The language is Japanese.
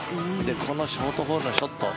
このショートホールのショット。